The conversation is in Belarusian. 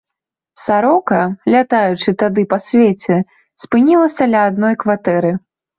Сарока, лятаючы тады па свеце, спынілася ля адной кватэры.